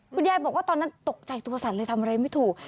คุณยายบอกว่าตอนนั้นตกใจตัวสั่นเลยทำอะไรไม่ถูก